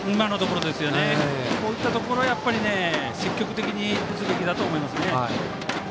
こういったところを積極的に打つべきだと思います。